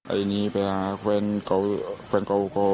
ไอ้นี้ไปหาแฟนเก่าก็